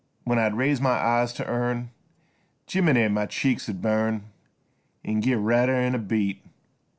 59 When I'd raise my eyes to hern Jeminny! my cheeks 'ud burn An' git redder 'n' a beet.